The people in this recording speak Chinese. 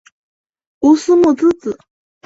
吴思穆之子。